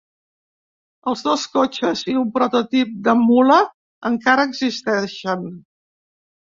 Els dos cotxes i un prototip de mula encara existeixen.